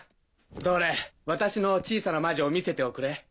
どれ私の小さな魔女を見せておくれ。